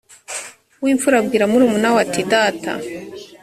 uw imfura abwira murumuna we ati data